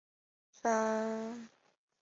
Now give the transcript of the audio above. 三蕊草属是禾本科下的一个属。